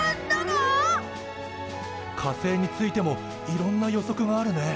火星についてもいろんな予測があるね。